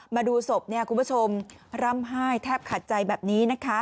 มาดูศพคุณผู้ชมร่ำไห้แทบขาดใจแบบนี้